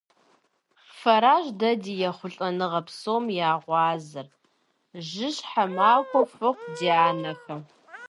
Фэращ дэ ди ехъулӀэныгъэ псом я гъуазэр: жьыщхьэ махуэ фыхъу, ди анэхэ!